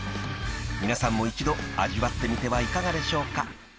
［皆さんも一度味わってみてはいかがでしょうか］